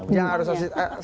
jangan rusak sistem